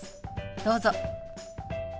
どうぞ。